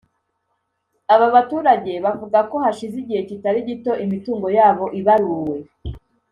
Aba baturage bavuga ko hashize igihe kitari gito imitungo yabo ibaruwe